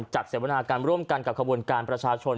เสวนาการร่วมกันกับขบวนการประชาชน